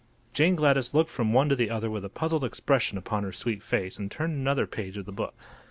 Jane Gladys looked from one to the other with a puzzled expression upon her sweet face, and turned another page of the book.